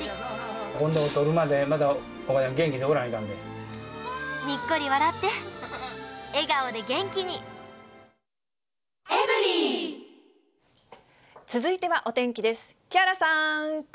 今度撮るまでまだ元気でおらにっこり笑って、笑顔で元気続いてはお天気です。